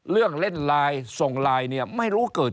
เรื่องเล่นไลน์ส่งไลน์ไม่รู้เกิด